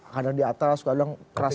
kadang di atas kadang keras